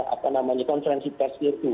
apa namanya konferensi tersebut